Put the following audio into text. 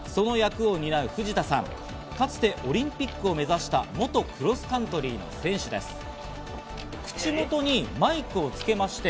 その役を担う藤田さん、かつてオリンピックを目指した元クロスカントリーの選手です。